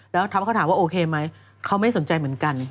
แล้วท็อปเขาถามว่าโอเคไหมเขาไม่สนใจเหมือนกัน